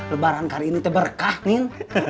lebaran kali ini terberkah nin